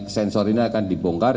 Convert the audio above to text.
sensor ini akan dibongkar